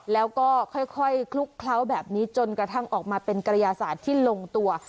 แล้วก็ค่อยคลุกเคล้าแบบนี้จนกระทั่งออกมาเป็นกระยาศาสตร์ที่ลงตัว